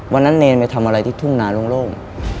วันนั้นเนรนไปทำอะไรที่ถุงนานล่วง